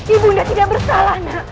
ibu anda tidak bersalah nak